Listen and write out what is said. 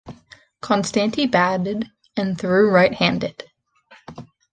Konstanty batted and threw right-handed.